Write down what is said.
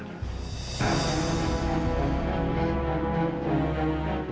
kok kamu jadi nangis